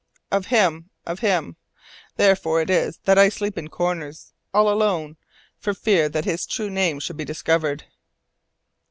"Of him, of him. Therefore it is that I sleep in corners, all alone, for fear that his true name should be discovered."